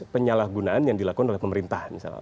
penyalahgunaan yang dilakukan oleh pemerintah misalnya